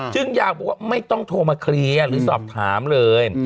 จึงอยากบอกว่าไม่ต้องโทรมาเคลียร์หรือสอบถามเลย